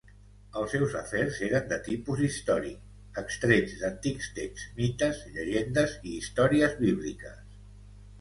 Els seus afers eren de tipus històric, extrets d’antics texts, mites, llegendes i històries bíbliques.